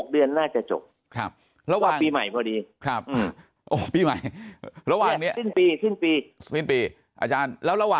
๖เดือนน่าจะจบครับแล้วว่าปีใหม่เพราะดีคำอุธอบพี่อ่ะแล้ว